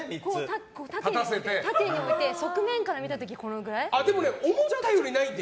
縦に置いて側面から見た時にこれくらい？